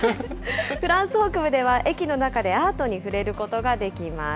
フランス北部では駅の中でアートに触れることができます。